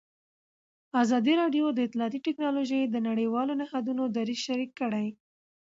ازادي راډیو د اطلاعاتی تکنالوژي د نړیوالو نهادونو دریځ شریک کړی.